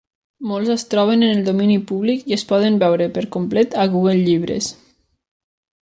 Molts es troben en el domini públic i es poden veure per complet a Google Llibres.